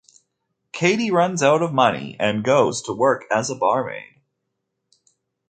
Caddie runs out of money and goes to work as a barmaid.